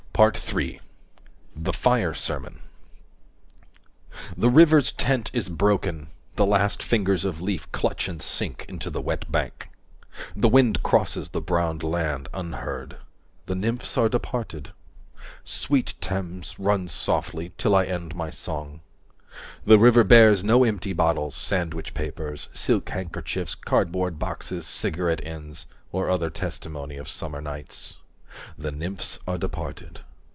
III. THE FIRE SERMON The river's tent is broken: the last fingers of leaf Clutch and sink into the wet bank. The wind Crosses the brown land, unheard. The nymphs are departed. 175 Sweet Thames, run softly, till I end my song. The river bears no empty bottles, sandwich papers, Silk handkerchiefs, cardboard boxes, cigarette ends Or other testimony of summer nights. The nymphs are departed.